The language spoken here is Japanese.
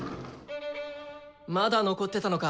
まだ残ってたのか。